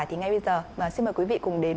thì ngay bây giờ xin mời quý vị cùng đến